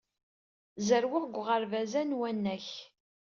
Zerrweɣ deg uɣerbaz-a n uwanak.